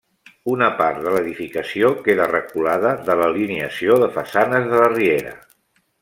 Una part de l'edificació queda reculada de l'alineació de façanes de la Riera.